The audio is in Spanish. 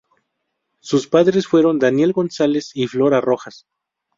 Sus padres fueron Daniel González y Flora Rojas.